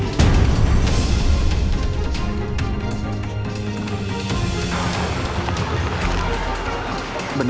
tidak ada yang bisa dipercaya